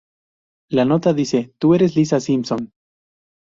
La nota dice "Tu eres Lisa Simpson".